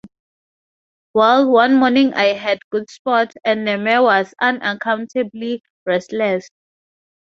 Well, one morning I had good sport, and the mare was unaccountably restless.